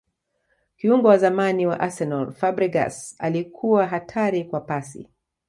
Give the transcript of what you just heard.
kiungo wa zamani wa arsenal fabregas alikuwa hatari kwa pasi